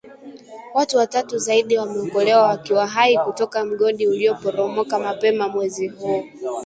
Watu watatu zaidi wameokolewa wakiwa hai kutoka mgodi ulio poromoka mapema mwezi huu